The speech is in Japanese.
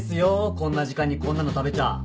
こんな時間にこんなの食べちゃ